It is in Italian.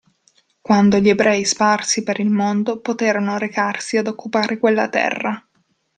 Quando gli ebrei sparsi per il mondo poterono recarsi ad occupare quella terra.